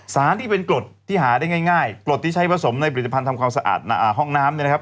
สารที่เป็นกรดที่หาได้ง่ายกรดที่ใช้ผสมในผลิตภัณฑ์ทำความสะอาดห้องน้ำเนี่ยนะครับ